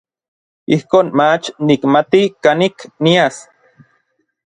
Ijkon mach nikmati kanik nias.